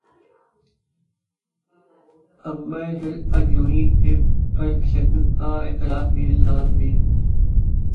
امبر Heard کا Johnny Depp پر تشدد کا اعتراف بھی الزام بھی